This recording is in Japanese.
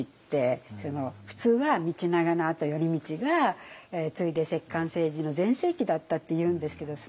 普通は道長のあと頼通が継いで摂関政治の全盛期だったっていうんですけどね